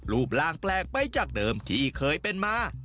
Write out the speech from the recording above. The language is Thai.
รูปร่างแปลกไปจากเดิมที่เคยเป็นมา